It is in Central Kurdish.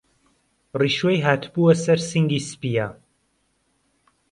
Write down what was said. ڕيشوەى هاتبوه سەر سینگی سپییە